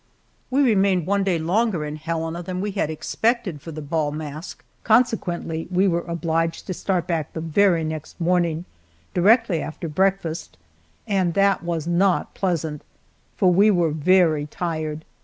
We remained one day longer in Helena than we had expected for the bal masque; consequently we were obliged to start back the very next morning, directly after breakfast, and that was not pleasant, for we were very tired.